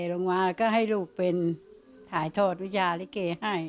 และก็ให้ลูกเป็นหายทอดวิชาลิเก